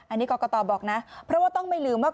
อันนี้กรกตบอกนะเพราะว่าต้องไม่ลืมว่า